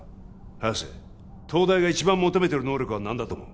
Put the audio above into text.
早瀬東大が一番求めてる能力は何だと思う？